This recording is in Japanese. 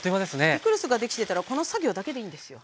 ピクルスができてたらこの作業だけでいいんですよ。